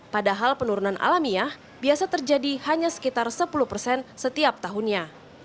padahal penurunan alamiah biasa terjadi hanya sekitar sepuluh persen setiap tahunnya